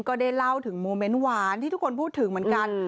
ก็ได้เล่าถึงโมเมนต์หวานที่ทุกคนพูดถึงเหมือนกัน